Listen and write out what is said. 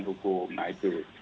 hukum nah itu